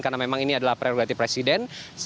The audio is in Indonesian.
karena memang ini adalah prioritas presiden